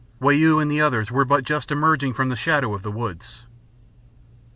Wau and the others were but just emerging from the shadow of the woods.